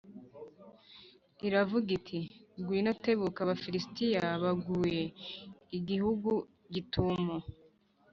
iravuga iti “Ngwino tebuka, Abafilisitiya baguye igihugu gitumo.”